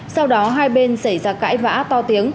sau đó hai bên xảy ra cãi vãi